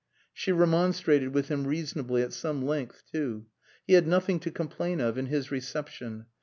She remonstrated with him reasonably, at some length too. He had nothing to complain of in his reception.